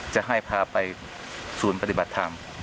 จะให้พาไปศูนย์ปฏิบัติธรรม